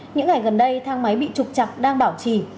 những ngày gần đây thang máy bị trục chặt đang bảo trì